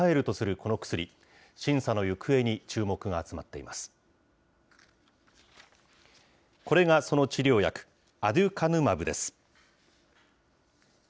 これがその治療薬、アデュカヌマブです。